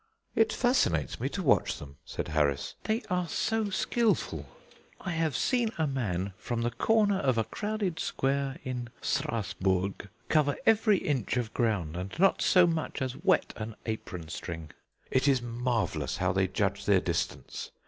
"It fascinates me to watch them," said Harris. "They are so skilful. I have seen a man from the corner of a crowded square in Strassburg cover every inch of ground, and not so much as wet an apron string. It is marvellous how they judge their distance.